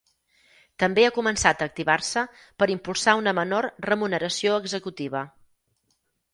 També ha començat a activar-se per impulsar una menor remuneració executiva.